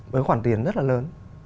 với khoản tiền rất là lớn